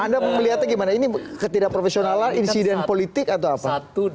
anda melihatnya gimana ini ketidakprofesionalan insiden politik atau apa